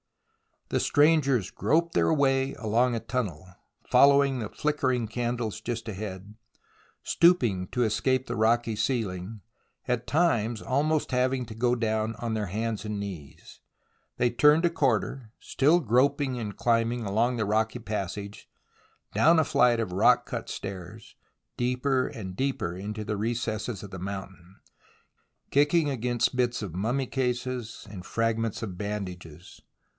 The strangers groped their way along a tunnel, following the flickering candles just ahead, stooping to escape the rocky ceiling, at times almost having to go down on their hands and knees. They turned THE ROMANCE OF EXCAVATION 83 a corner, still groping and climbing along the rocky passage, down a flight of rock cut stairs, deeper and deeper into the recesses of the mountain, kicking against bits of mummy cases, fragments of bandages.